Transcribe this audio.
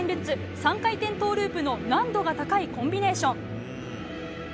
３回転トウループの難度が高いコンビネーション。